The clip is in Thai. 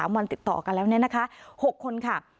วันติดต่อกันแล้วเนี่ยนะคะ๖คนค่ะ